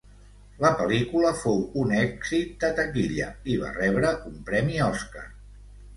La pel·lícula fou un èxit de taquilla i va rebre un premi Oscar.